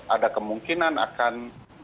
ada kemungkinan akan